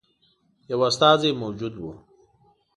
یو استازی موجود وو.